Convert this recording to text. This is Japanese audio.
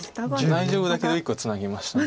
大丈夫だけど１個ツナぎました。